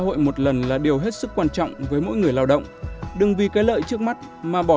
hội một lần là điều hết sức quan trọng với mỗi người lao động đừng vì cái lợi trước mắt mà bỏ